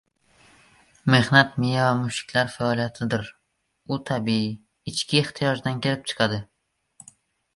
Mehnat miya va mushaklar faoliyatidir, u tabiiy, ichki ehtiyojdan kelib chiqadi.